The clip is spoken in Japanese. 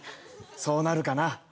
そうなるかな。